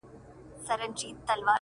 • په خوب وینم چي زامن مي وژل کیږي,